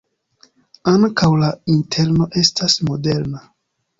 Ankaŭ la interno estas moderna.